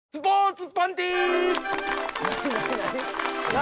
何？